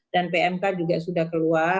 dan pmk juga sudah keluar